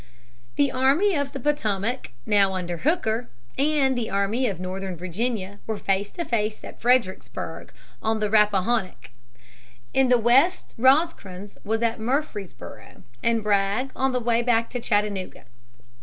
The Army of the Potomac, now under Hooker, and the Army of Northern Virginia were face to face at Fredericksburg on the Rappahannock. In the West Rosecrans was at Murfreesboro', and Bragg on the way back to Chattanooga.